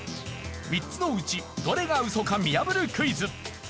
３つのうちどれがウソか見破るクイズ。